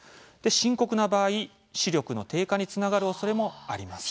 深刻な場合、視力の低下につながる恐れもあります。